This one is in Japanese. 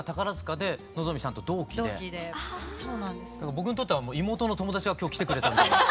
僕にとってはもう妹の友達が今日来てくれたみたいな。